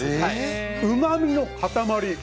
うまみの塊。